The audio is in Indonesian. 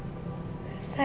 ibu menjual kamu juga